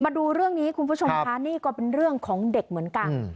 มาดูเรื่องนี้คุณผู้ชมค่ะนี่ก็เป็นเรื่องของเด็กเหมือนกัน